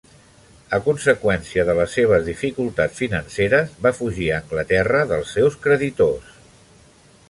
A conseqüència de les seves dificultats financeres, va fugir a Anglaterra dels seus creditors.